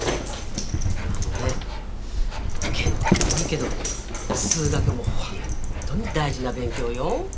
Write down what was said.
あのね検定もいいけどこの数学もほんとに大事な勉強よ